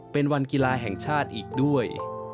เป็นวันกีฬาแห่งชาติอีกด้วย